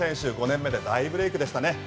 ５年目で大ブレークでしたね。